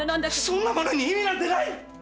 そんなものに意味なんてない！